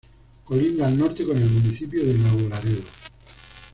Colinda al norte con el municipio de Nuevo Laredo.